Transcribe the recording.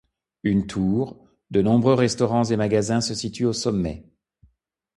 Une tour, de nombreux restaurants et magasins se situent au sommet.